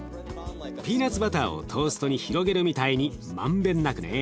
ピーナツバターをトーストに広げるみたいに満遍なくね。